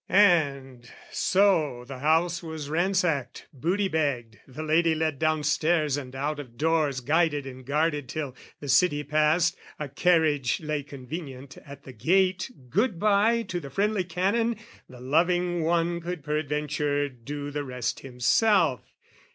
And so the house was ransacked, booty bagged, The lady led downstairs and out of doors Guided and guarded till, the city passed, A carriage lay convenient at the gate Good bye to the friendly Canon; the loving one Could peradventure do the rest himself.